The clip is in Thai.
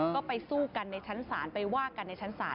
ก็ไปสู้กันในชั้นศาลไปว่ากันในชั้นศาล